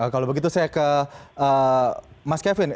kalau begitu saya ke mas kevin